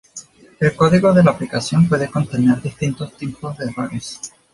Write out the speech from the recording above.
El código de aplicación puede contener distintos tipos de errores.